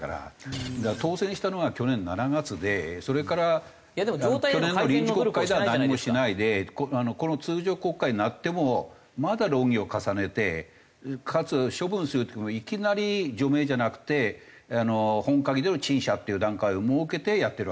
当選したのは去年７月でそれから去年の臨時国会では何もしないでこの通常国会になってもまだ論議を重ねてかつ処分するっていってもいきなり除名じゃなくて本会議での陳謝っていう段階を設けてやってるわけです。